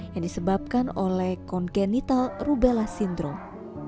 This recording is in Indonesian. yang disebabkan oleh congenital rubella syndrome